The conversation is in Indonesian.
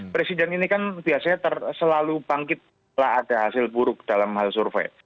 presiden ini kan biasanya selalu bangkit setelah ada hasil buruk dalam hal survei